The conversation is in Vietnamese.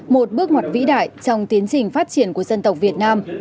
một bước ngoặt vĩ đại trong tiến trình phát triển của dân tộc việt nam